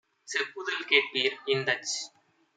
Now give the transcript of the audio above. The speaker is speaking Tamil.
செப்புதல் கேட்பீர்! - இந்தச்